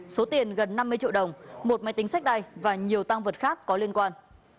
số tiền gần năm mươi triệu đồng một máy tính sách tay và nhiều tăng vật khác có liên quan